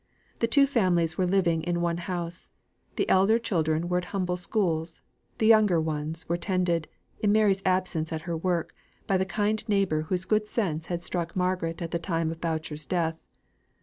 The two families were living in one house: the elder children were at humble schools, the younger ones were tended, in Mary's absence at her work, by the kind neighbour whose good sense had struck Margaret at the time of Boucher's death.